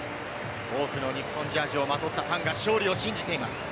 多くの日本ジャージーをまとったファンが勝利を信じています。